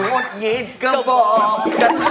หวดหยิดก็บอกกันไว้